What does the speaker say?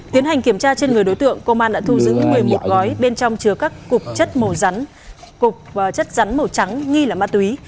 tiến hành kiểm tra trên người đối tượng công an đã thu giữ một mươi một gói bên trong chừa các cục chất rắn màu trắng nghi là ma túy